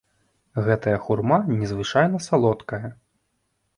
Гэтая хурма незвычайна салодкая.